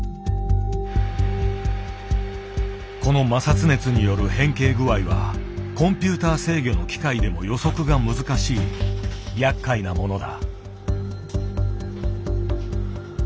この摩擦熱による変形具合はコンピューター制御の機械でも予測が難しいやっかいなものだ。